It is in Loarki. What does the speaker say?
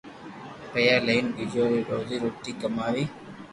پيئا ليئين ٻچو ري روزو روٽي ڪماوي